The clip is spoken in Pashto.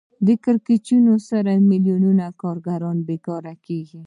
په کړکېچونو سره میلیونونو کارګران بېکاره کېږي